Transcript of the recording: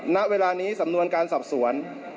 ณเวลานี้สำนวนการสอบสวน